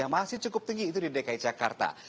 masih cukup tinggi itu di dki jakarta